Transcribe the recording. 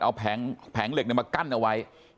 เอาแผงเหล็กมากั้นเอาไว้